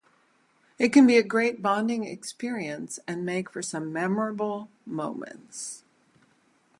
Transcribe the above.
It can be a great bonding experience and make for some memorable moments.